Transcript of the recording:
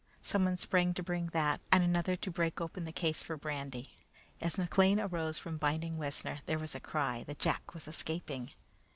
Someone sprang to bring that, and another to break open the case for brandy. As McLean arose from binding Wessner, there was a cry that Jack was escaping.